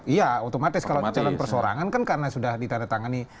iya otomatis kalau calon persorangan kan karena sudah ditandatangani